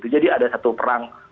jadi ada satu perang